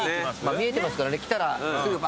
見えてますからね来たらすぐバッて。